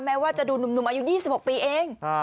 ว่าจะดูหนุ่มอายุ๒๖ปีเอง